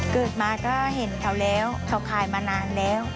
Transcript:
เกิดมาก็เห็นเขาแล้วเขาขายมานานแล้ว